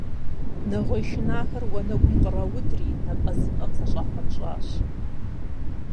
Нэгъуей шынахэр уанэгум къраудри, напӀэзыпӀэм зэщӀахъунщӀащ.